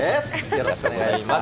よろしくお願いします。